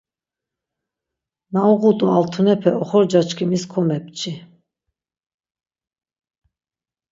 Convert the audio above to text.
Na uğut̆u altunepe oxorca çkimis komepçi.